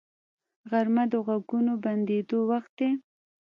غرمه د غږونو بندیدو وخت دی